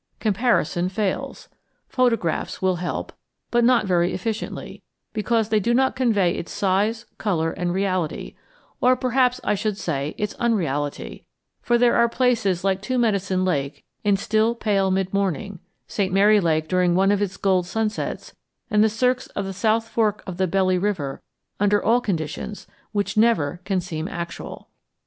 Comparison fails. Photographs will help, but not very efficiently, because they do not convey its size, color, and reality; or perhaps I should say its unreality, for there are places like Two Medicine Lake in still pale mid morning, St. Mary Lake during one of its gold sunsets, and the cirques of the South Fork of the Belly River under all conditions which never can seem actual.